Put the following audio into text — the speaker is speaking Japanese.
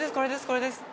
これです